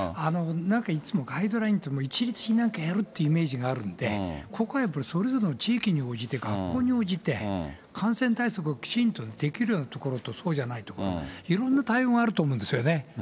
なんかいつもガイドラインって一律になんかやるっていうイメージがあるんで、ここはやっぱりそれぞれの地域に応じて、学校に応じて、感染対策をきちんとできるようなところとそうじゃないところ、いろんな対応があると思うんですよね。